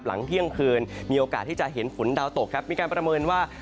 หลังเที่ยงคืนมีโอกาสที่จะเห็นฝนดาวตกครับมีการประเมินว่า